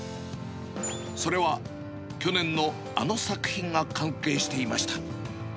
それは、去年のあの作品が関係していました。